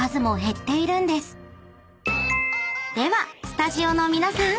［ではスタジオの皆さん